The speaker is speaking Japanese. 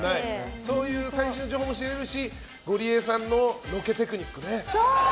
そういう最新の情報も知れるしゴリエさんのロケテクニックね。